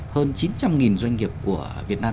hơn chín trăm linh doanh nghiệp của việt nam